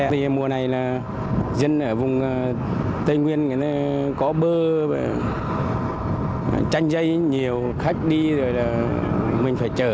vì mùa này là dân ở vùng tây nguyên có bơ tranh dây nhiều khách đi rồi mình phải chở